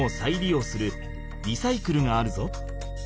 ようするリサイクルがあるぞ。